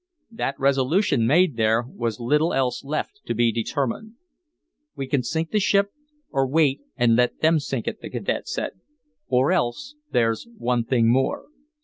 That resolution made there was little else left to be determined. "We can sink the ship, or wait and let them sink it," the cadet said. "Or else there's one thing more.